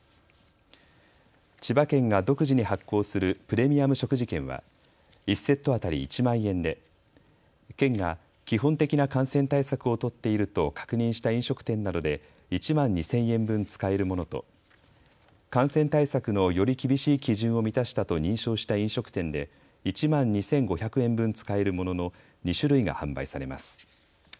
千葉県が独自に発行するプレミアム食事券は１セット当たり１万円で県が基本的な感染対策を取っていると確認した飲食店などで１万２０００円分、使えるものと感染対策のより厳しい基準を満たしたと認証した飲食店で１万２５００円分、使えるものの２種類が販売されます。